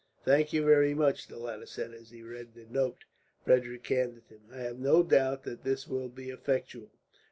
"Thank you very much," the latter said, as he read the note Frederick handed him. "I have no doubt that this will be effectual.